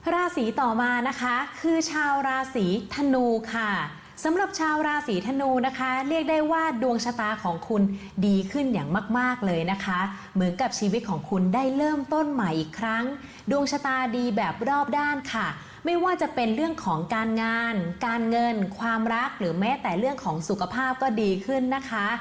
ราศีต่อมานะคะคือชาวราศีธนูค่ะสำหรับชาวราศีธนูนะคะเรียกได้ว่าดวงชะตาของคุณดีขึ้นอย่างมากเลยนะคะเหมือนกับชีวิตของคุณได้เริ่มต้นใหม่อีกครั้งดวงชะตาดีแบบรอบด้านค่ะไม่ว่าจะเป็นเรื่องของการงานการเงินความรักหรือแม้แต่เรื่องของสุขภาพก็ดีขึ้นนะคะ